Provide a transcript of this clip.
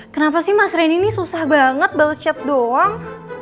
kenapa sih mas renny nih susah banget bales chat doang